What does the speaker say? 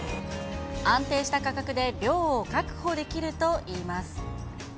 安定した価格で量を確保できるといいます。